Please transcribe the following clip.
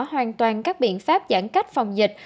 hoàn toàn các biện pháp giãn cách phòng dịch